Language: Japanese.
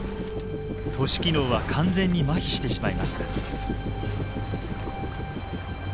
都市機能は完全にまひしてしまいます。